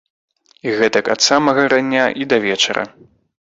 І гэтак ад самага рання і да вечара.